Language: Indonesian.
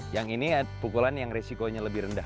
yang ini pukulan yang resikonya lebih rendah